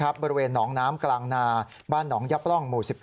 บริเวณหนองน้ำกลางนาบ้านหนองยับร่องหมู่๑๘